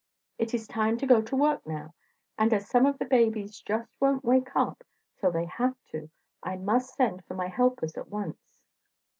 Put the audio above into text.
It is time to go to work now, and as some of the babies just won't wake up till they have to, I must send for my helpers at once."